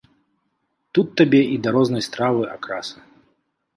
Тут табе і да рознай стравы акраса.